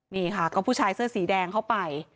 นี่ค่ะก็ผู้ชายเสื้อสีแดงเข้าไป